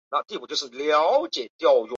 治所位于定州安喜县。